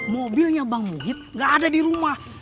mobilnya bang mujib gak ada di rumah